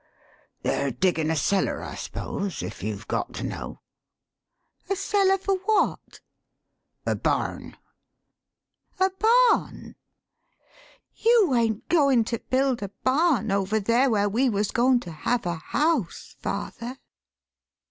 "They're diggin' a cellar, I s'pose, if you've got to know.'* "A cellar for what?" "A barn." "A barn? You ain't goin' to build a barn over there where we was goin' to have a house, father?"